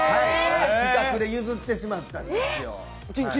譲ってしまったんですよ。